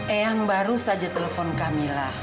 eang baru saja telepon kamila